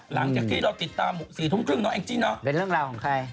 หลังจากที่เราติดตาม๔ทุ่มครึ่งเนาะแองจี้เนอะเป็นเรื่องราวของใคร